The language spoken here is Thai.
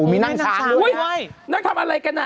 ไม่ได้นั่งช้างนั่งทำอะไรกันน่ะ